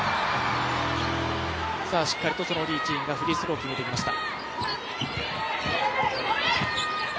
しっかりと、リ・チインがフリースロー決めていきました。